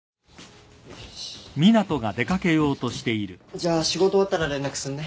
じゃあ仕事終わったら連絡するね。